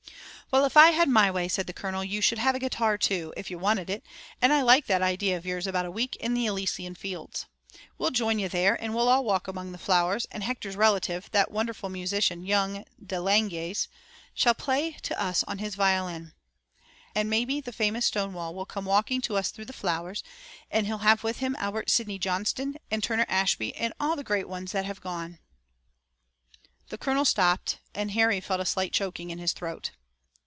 "Well, if I had my way," said the colonel, "you should have a guitar, too, if you wanted it, and I like that idea of yours about a week in the Elysian fields. We'll join you there and we'll all walk around among the flowers, and Hector's relative, that wonderful musician, young De Langeais, shall play to us on his violin, and maybe the famous Stonewall will come walking to us through the flowers, and he'll have with him Albert Sidney Johnston, and Turner Ashby and all the great ones that have gone." The colonel stopped, and Harry felt a slight choking in his throat.